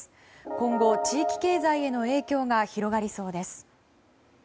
今後、地域経済への影響が広がりそうです。